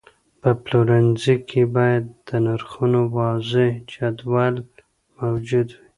په پلورنځي کې باید د نرخونو واضحه جدول موجود وي.